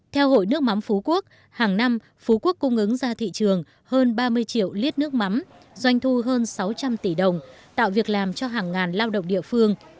theo hội nước mắm phú quốc hàng năm phú quốc cung ứng ra thị trường hơn ba mươi triệu lít nước mắm doanh thu hơn sáu trăm linh tỷ đồng tạo việc làm cho hàng ngàn lao động địa phương